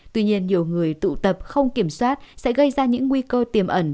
tuy nhiên nhiều người tụ tập không kiểm soát sẽ gây ra những nguy cơ tiềm ẩn